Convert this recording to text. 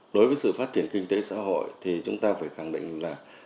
đối với sự phát triển kinh tế xã hội thì chúng ta phải khẳng định là